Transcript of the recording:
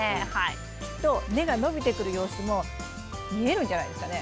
きっと根が伸びてくる様子も見えるんじゃないですかね。